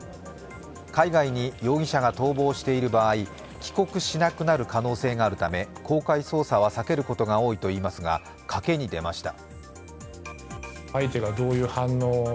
海外に容疑者が逃亡している場合、帰国しなくなる可能性があるため公開捜査は避けることが多いといいますが、賭けに出ました。